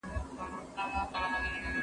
یې تور وو غوړولی